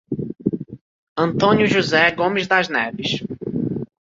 Antônio José Gomes Das Neves